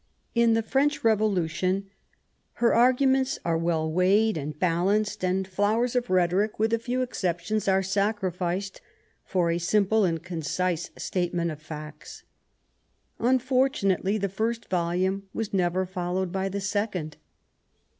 In the French Revolution her 152 MART WOLLSTONECBAFT OODWIN. arguments are well weighed and balanced, and flowers of rhetoric^ with a few exceptions, are sacrificed for a simple and concise statement of facts. Unfortunately the first volume was never followed by a second.